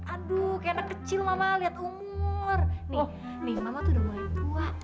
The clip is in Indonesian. aduh kayak anak kecil mama lihat umur nih nih mama tuh udah mulai tua